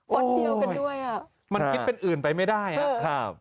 วันเดียวกันด้วยอ่ะมันคิดเป็นอื่นไปไม่ได้อ่ะครับ